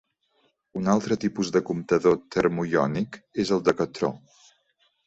Un altre tipus de comptador termoiònic és el Decatró.